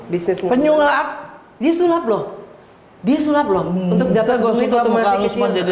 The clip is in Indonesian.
bisnis penyulap disulap loh disulap loh untuk dapat gosok untuk masih kecil